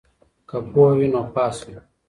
که پوهه وي نو پاس وي.